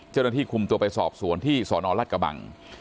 เจ้าหน้าที่คุมตัวไปสอบสวนที่สนรัฐกระบัง